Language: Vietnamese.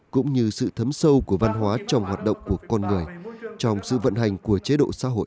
cũng như sự thấm sâu của văn hóa trong hoạt động của con người trong sự vận hành của chế độ xã hội